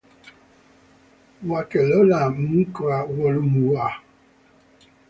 W'aw'elola mka woluw'ua.